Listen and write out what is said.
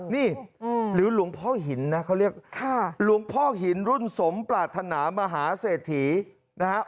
นี่หรือหลวงพ่อหินนะเขาเรียกหลวงพ่อหินรุ่นสมปรารถนามหาเศรษฐีนะฮะ